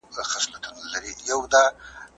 چټکو خوړو ته اړتیا نه پاتې کېږي.